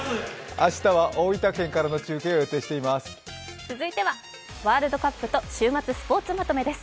明日は大分県からの中継を予定しています。